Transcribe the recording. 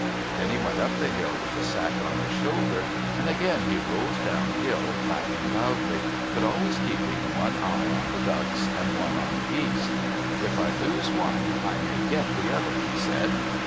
Then he went up the hill with the sack on his shoulder, and again he rolled down hill, laughing loudly, but always keeping one eye on the ducks and one on the geese. "If I lose one, I may get the other," he said.